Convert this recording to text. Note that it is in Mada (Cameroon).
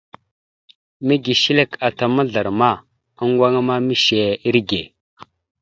Mege shəlek ata mazlarəma, oŋŋgoŋa ma mishe irəge.